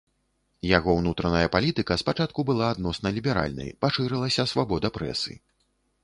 Яго ўнутраная палітыка спачатку была адносна ліберальнай, пашырылася свабода прэсы.